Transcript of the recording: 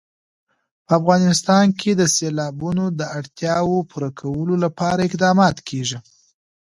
په افغانستان کې د سیلابونه د اړتیاوو پوره کولو لپاره اقدامات کېږي.